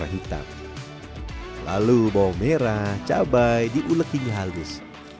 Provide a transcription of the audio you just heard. warna hitam lalu bawang merah cabai diulek hingga halus